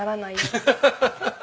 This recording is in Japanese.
ハハハハハ！